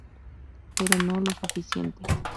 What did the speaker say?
Pero no lo suficiente.